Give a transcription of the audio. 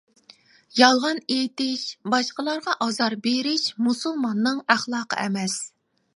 يالغان ئېيتىش، باشقىلارغا ئازار بېرىش مۇسۇلماننىڭ ئەخلاقى ئەمەس.